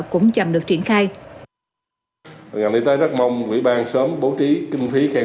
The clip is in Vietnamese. cũng chậm được triển khai